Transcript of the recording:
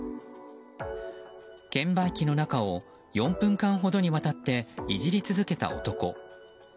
券売機の中を４分間ほどにわたっていじり続けた男。